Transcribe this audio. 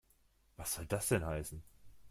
Was soll das denn heißen?